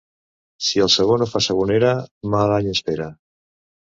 Si el sabó no fa sabonera, mal any espera.